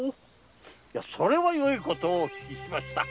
それはよいことをお聞きしました。